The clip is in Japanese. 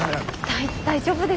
大丈夫。